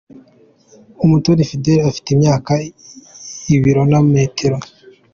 Umutoni Fidela afite imyaka , ibiro na metero .